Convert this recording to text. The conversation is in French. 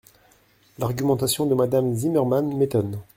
L’argumentation de Madame Zimmermann m’étonne.